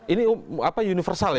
ini universal ya